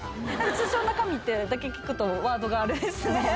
通帳の中身ってだけ聞くと、ワードがあれですね。